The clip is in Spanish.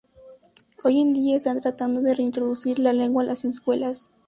Hoy en día están tratando de reintroducir la lengua en las escuelas.